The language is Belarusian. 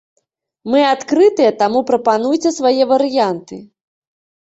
Мы адкрытыя, таму прапануйце свае варыянты.